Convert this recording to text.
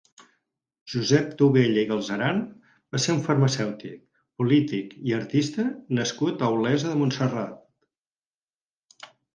Josep Tobella i Galceran va ser un farmacèutic, polític i artista nascut a Olesa de Montserrat.